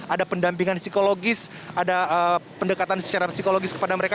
ada pendampingan psikologis ada pendekatan secara psikologis kepada mereka